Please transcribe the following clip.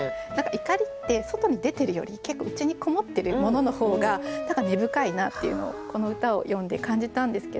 怒りって外に出てるより結構内にこもってるものの方が何か根深いなっていうのをこの歌を読んで感じたんですけど。